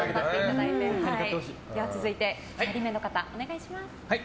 続いて、２人目の方お願いします。